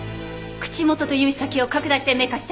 口元と指先を拡大鮮明化して。